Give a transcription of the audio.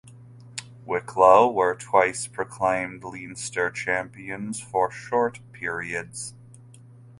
Wicklow were twice proclaimed Leinster champions for short periods.